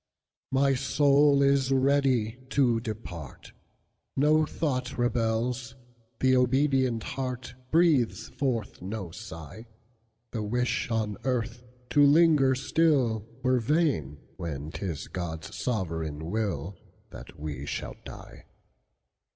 "My soul is ready to depart, No thought rebels, the obedient heartBreathes forth no sigh; The wish on earth to linger stillWere vain, when 't is God's sovereign willThat we shall die.